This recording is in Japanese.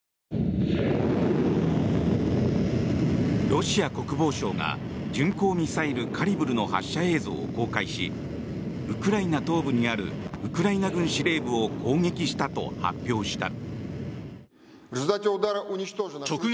ロシア国防省が巡航ミサイルカリブルの発射映像を公開しウクライナ東部にあるウクライナ軍司令部を攻撃したと発表した。